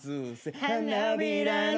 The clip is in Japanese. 「花びらの」